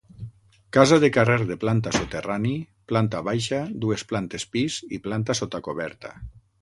Casa de carrer de planta soterrani, planta baixa, dues plantes pis i planta sota coberta.